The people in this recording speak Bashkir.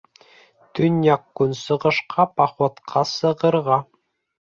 ТӨНЬЯҠ-КӨНСЫҒЫШҠА ПОХОДҠА СЫҒЫРҒА.